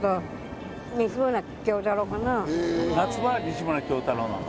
夏場は西村京太郎なの？